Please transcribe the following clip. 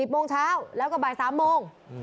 โมงเช้าแล้วก็บ่าย๓โมง